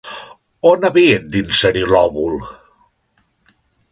On havien d'inserir l'òvul?